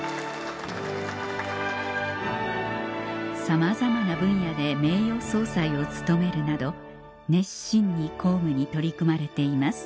さまざまな分野で名誉総裁を務めるなど熱心に公務に取り組まれています